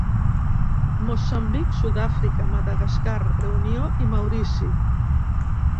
Moçambic, Sud-àfrica, Madagascar, Reunió i Maurici.